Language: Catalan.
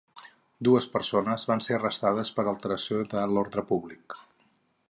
Dues persones van ser arrestades per alteració de l’ordre públic.